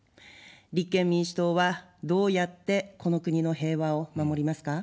立憲民主党はどうやってこの国の平和を守りますか。